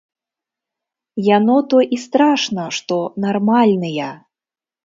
Яно то і страшна, што нармальныя.